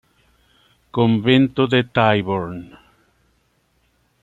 Convento de Tyburn